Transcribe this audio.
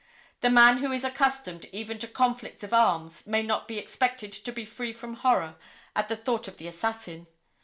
The man who is accustomed even to conflicts of arms may not be expected to be free from horror at the thought of the assassin.